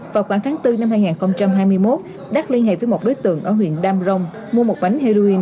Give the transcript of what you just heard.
vào khoảng tháng bốn năm hai nghìn hai mươi một đắc liên hệ với một đối tượng ở huyện đam rồng mua một bánh heroin